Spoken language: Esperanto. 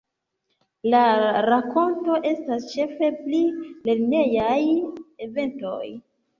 La rakonto estas ĉefe pri lernejaj eventoj.